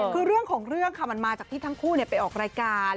คือเรื่องของเรื่องค่ะมันมาจากที่ทั้งคู่ไปออกรายการ